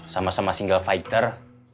sama sama single fighter